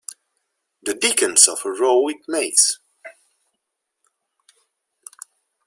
The dickens of a row it makes.